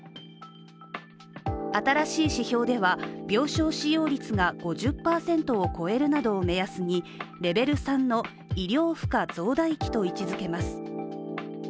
新しい指標では、病床使用率が５０％を超えるなどを目安に、レベル３の、医療負荷増大期と位置づけます。